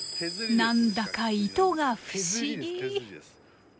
なんだか糸が不思議！